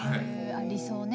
理想ね。